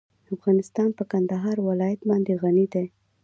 افغانستان په کندهار ولایت باندې غني دی.